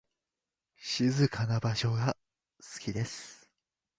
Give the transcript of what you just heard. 静かな場所が好きです。